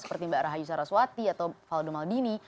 seperti mbak rahayu saraswati atau faldo maldini